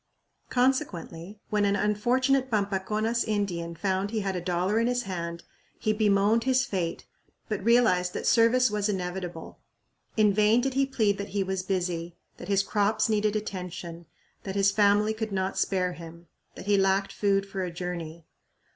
Consequently, when an unfortunate Pampaconas Indian found he had a dollar in his hand, he bemoaned his fate, but realized that service was inevitable. In vain did he plead that he was "busy," that his "crops needed attention," that his "family could not spare him," that "he lacked food for a journey."